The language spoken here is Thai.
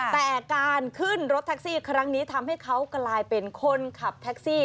แต่การขึ้นรถแท็กซี่ครั้งนี้ทำให้เขากลายเป็นคนขับแท็กซี่